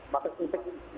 maka di sini ada